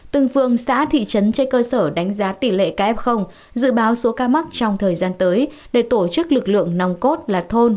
từng phương xã thị trấn trên cơ sở đánh giá tỷ lệ kf dự báo số ca mắc trong thời gian tới để tổ chức lực lượng nòng cốt là thôn